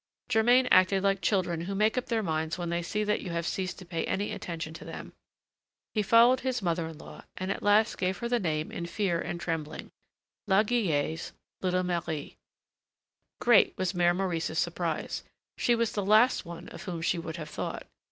Germain acted like children who make up their minds when they see that you have ceased to pay any attention to them. He followed his mother in law, and at last gave her the name in fear and trembling La Guillette's little Marie. Great was Mère Maurice's surprise: she was the last one of whom she would have thought.